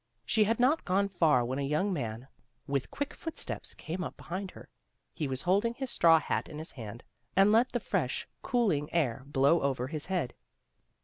She had not gone far when a young man, with quick foot steps, came up behind her. He was holding his straw hat in his hand and let the fresh, cooling air blow over his head.